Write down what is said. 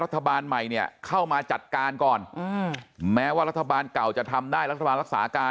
ใหม่เนี่ยเข้ามาจัดการก่อนแม้ว่ารัฐบาลเก่าจะทำได้รัฐบาลรักษาการ